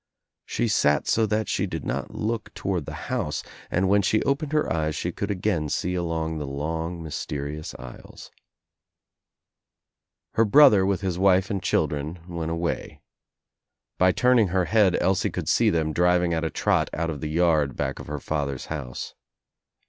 She sat so that she did not look I THE NEW ENGLANDER toward the house and when she opened her eyes she could again see along the long mysterious aisles. Her brother with his wife and children went away. By turning her head Elsie could see them driving at a trot out of the yard back of her father's house.